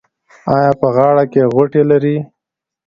ایا په غاړه کې غوټې لرئ؟